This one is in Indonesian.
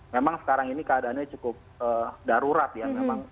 memang sekarang ini keadaannya cukup darurat ya memang